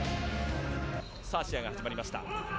さあ、試合が始まりました。